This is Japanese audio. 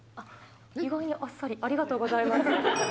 意外にあっさり、ありがとうございます。